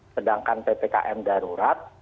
sedangkan ppkm darurat